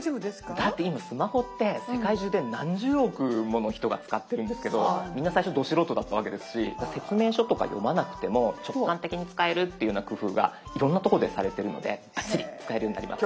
だって今スマホって世界中で何十億もの人が使ってるんですけどみんな最初ど素人だったわけですし説明書とか読まなくても直感的に使えるっていうような工夫がいろいろなとこでされてるのでバッチリ使えるようになります。